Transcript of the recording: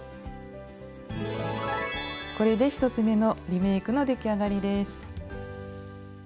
これで１つ目のリメイクの出来上がりです。